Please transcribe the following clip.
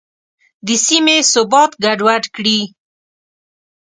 د سیمې ثبات ګډوډ کړي.